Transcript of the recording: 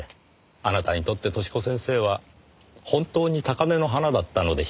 あなたにとって寿子先生は本当に高嶺の花だったのでしょうか？